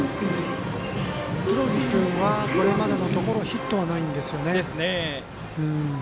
黒木君はこれまでのところヒットはないんですよね。